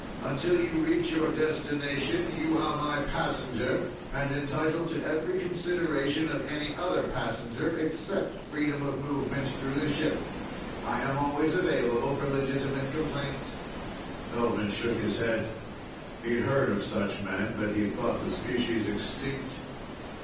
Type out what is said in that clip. Until you reach your destination, you are my passenger and entitled to every consideration of any other passenger except freedom of movement through the ship. I am always available for legitimate complaints." Feldman shook his head. He'd heard of such men. But he'd thought the species extinct.